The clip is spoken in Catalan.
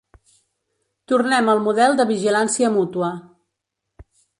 Tornem al model de vigilància mútua.